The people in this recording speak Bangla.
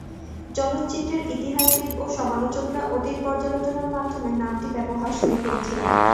চলচ্চিত্রের ইতিহাসবিদ ও সমালোচকরা অতীত পর্যালোচনার মাধ্যমে নামটি ব্যবহার শুরু করেছিলেন।